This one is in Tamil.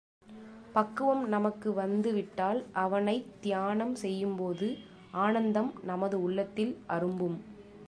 பக்குவம் நமக்கு வந்து விட்டால் அவனைத் தியானம் செய்யும்போது ஆனந்தம் நமது உள்ளத்தில் அரும்பும்.